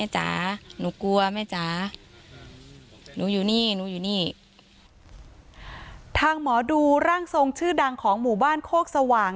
หนูอยู่นี่หนูอยู่นี่ทางหมอดูร่างทรงชื่อดังของหมู่บ้านโคกสว่าง